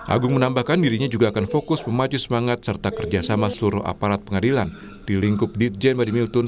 agung menambahkan dirinya juga akan fokus memacu semangat serta kerjasama seluruh aparat pengadilan di lingkup ditjen medimiltun